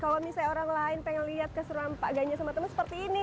kalau misalnya orang lain pengen lihat keseruan pak ganyer sama temen temen seperti ini